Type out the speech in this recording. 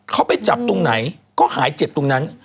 เขาไปจับตรงไหนก็หายเจ็บตรงนั้น